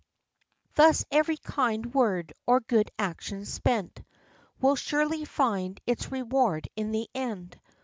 Thus every kind word or good action spent Will surely find its reward in the end.